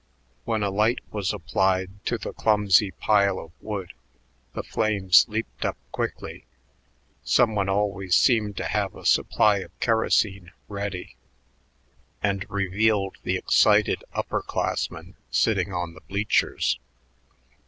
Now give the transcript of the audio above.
When a light was applied to the clumsy pile of wood, the flames leaped up quickly some one always seemed to have a supply of kerosene ready and revealed the excited upper classmen sitting on the bleachers.